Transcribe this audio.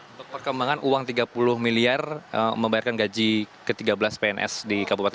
untuk perkembangan uang tiga puluh miliar membayarkan gaji ke tiga belas pns di kabupaten